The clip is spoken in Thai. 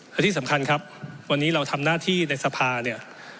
และที่สำคัญครับวันนี้เราทำหน้าที่ในสภาเนี่ย